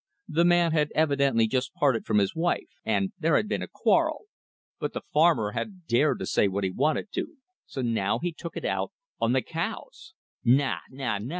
The man had evidently just parted from his wife, and there had been a quarrel; but the farmer hadn't dared to say what he wanted to, so now he took it out on the cows! "Na! na!